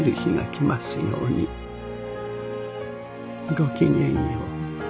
ごきげんよう。